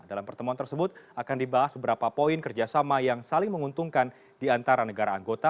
dalam pertemuan tersebut akan dibahas beberapa poin kerjasama yang saling menguntungkan di antara negara anggota